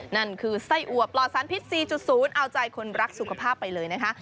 นั่นคือไส้อัวปลอดสารพิษ๔๐เอาใจคนรักสุขภาพไปเลยนะคะ